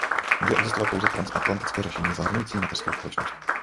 Může existovat pouze transatlantické řešení zahrnující mateřskou společnost.